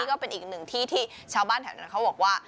ก็เป็นอีกหนึ่งที่ที่ชาวบ้านแถวนั้นเขาบอกว่า